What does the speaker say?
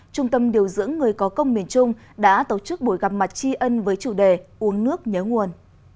trung tâm điều dưỡng người có công miền trung đã tổ chức buổi gặp mặt tri ân với chủ đề uống nước nhớ nguồn